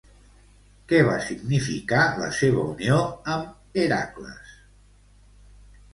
Què va significar la seva unió amb Heràcles?